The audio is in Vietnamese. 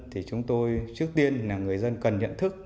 thì chúng tôi trước tiên là người dân cần nhận thức